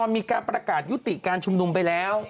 มีการประกาศยุติการชุมนุมไปแล้ว